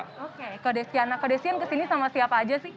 oke kode stian kode stian kesini sama siapa aja sih